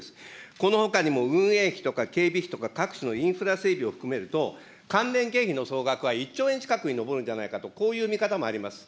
このほかにも、運営費とか警備費とか、タクシーのインフラ整備を含める、関連経費等の総額は１兆円近くに上るんじゃないかと、こういう見方もあります。